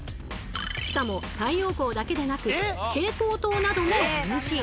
しかも太陽光だけでなく蛍光灯などもＮＧ。